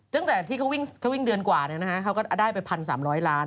ตั้งแต่ที่เขาวิ่งเดือนกว่าเนี่ยนะฮะเขาก็ได้ไป๑๓๐๐ล้านบาท